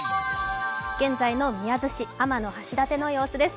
現在の宮津市、天橋立の様子です。